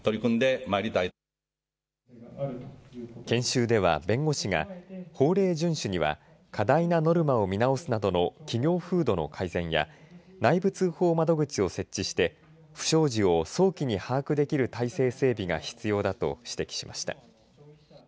研修では弁護士が法令順守には過大なノルマを見直すなどの企業風土の改善や内部通報窓口を設置して不祥事を早期に把握できる体制整備が必要だと指摘しました。